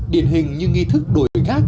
điển hình như nghi thức đổi khác